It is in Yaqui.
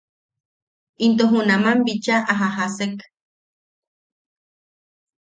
Into junam bicha a jajasek.